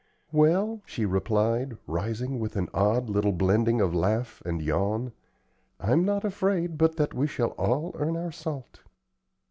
"Well," she replied, rising with an odd little blending of laugh and yawn, "I'm not afraid but that we shall all earn our salt."